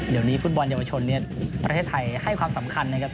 เดี๋ยวนี้ฟุตบอลเยาวชนประเทศไทยให้ความสำคัญนะครับ